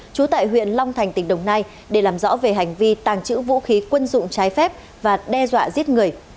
trú tại huyện long thành tỉnh đồng nai để làm rõ về hành vi tàng trữ vũ khí quân dụng trái phép và đe dọa giết người